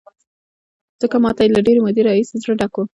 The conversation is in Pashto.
ځکه ما ته یې له ډېرې مودې راهیسې زړه ډک و.